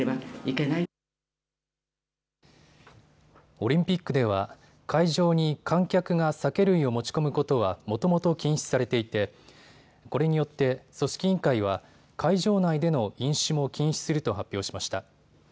オリンピックでは会場に観客が酒類を持ち込むことは、もともと禁止されていてこれによって組織委員会は会場内での飲酒も禁止すると発表しました。